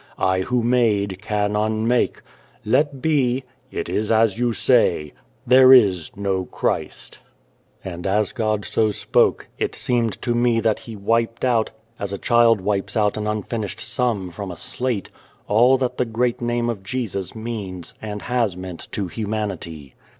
I, who made, can unmake. Let be. ... It is as you say. ... There is no Christ." And as God so spoke, it seemed to me that He wiped out as a child wipes out an un finished sum from a slate all that the great 188 and the Devil name of Jesus means, and has meant to humanity.